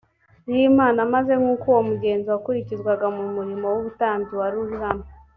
y imana maze nk uko umugenzo wakurikizwaga mu murimo w ubutambyi wari uri hano